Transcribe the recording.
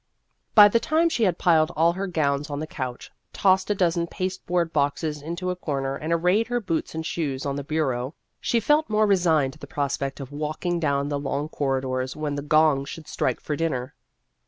By the time she had piled all her gowns on the couch, tossed a dozen paste board boxes into a corner, and arrayed her boots and shoes on the bureau, she felt more resigned to the prospect of walking down the long corridors when the gong should strike for dinner.